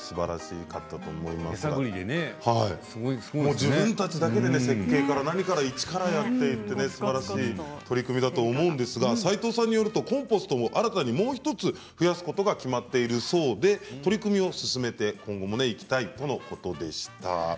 自分たちで設計から何から一からやっていてすばらしい取り組みだと思うんですが、斉藤さんによるとコンポストを新たにもう１つ増やすことも決まっているそうで取り組みを今後も進めていきたいいうことでした。